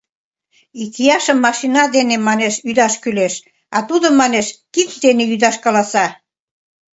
Икияшым машина дене, манеш, ӱдаш кӱлеш, а тудо, манеш, кид дене ӱдаш каласа.